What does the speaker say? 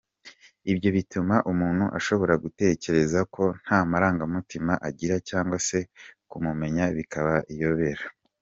Ibyo bituma umuntu ashobora gutekereza ko nta marangamutima agira cyangwa se kumumenya bikaba iyobera.